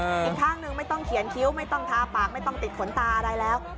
อีกข้างหนึ่งไม่ต้องเขียนคิ้วไม่ต้องทาปากไม่ต้องติดขนตาอะไรแล้ว